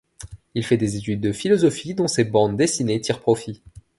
Il fait des études de philosophie dont ses bandes dessinées tirent profit.